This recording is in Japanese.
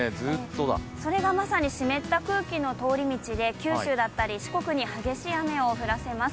それがまさに湿った空気の通り道で九州だったり四国に激しい雨を降らせます。